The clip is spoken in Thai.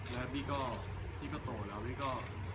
และบี้ก็บี้ก็โตแล้วบี้ก็